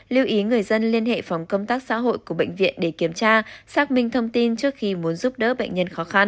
lưu ý người dân liên hệ phòng công tác xã hội của bệnh viện để kiểm tra xác minh thông tin trước khi muốn giúp đỡ bệnh nhân khó khăn